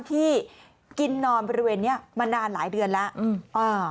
ที่กินนอนบริเวณนี้มานานหลายเดือนแล้ว